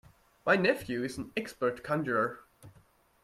My nephew is an expert conjurer.